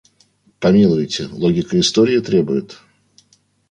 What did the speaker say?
Помилуйте - логика истории требует...